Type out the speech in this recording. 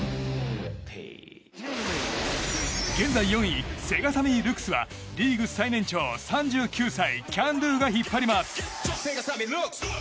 現在４位、セガサミールクスはリーグ最年長、３９歳ＣＡＮＤＯＯが引っ張ります。